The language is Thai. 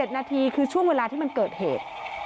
นาทีคือช่วงเวลาที่มันเกิดเหตุ